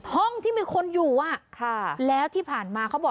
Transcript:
ห้องที่มีคนอยู่อ่ะค่ะแล้วที่ผ่านมาเขาบอก